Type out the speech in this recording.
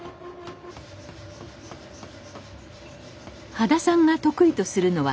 羽田さんが得意とするのは錨。